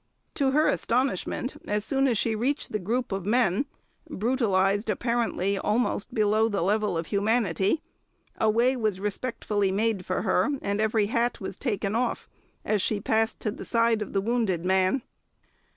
To her astonishment, as soon as she reached the group of men, brutalised apparently almost below the level of humanity, a way was respectfully made for her, and every hat was taken off as she passed to the side of the wounded man.